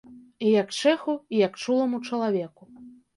І як чэху, і як чуламу чалавеку.